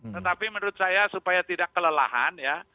tetapi menurut saya supaya tidak kelelahan ya